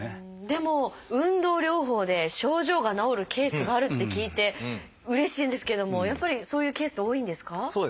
でも運動療法で症状が治るケースがあるって聞いてうれしいんですけどもやっぱりそういうケースって多いんですか？